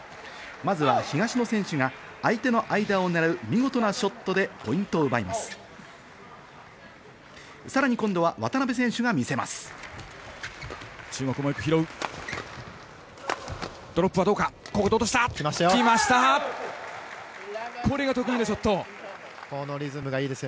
まずは東野選手が相手の間をねらう見事なショットでポイントを奪います。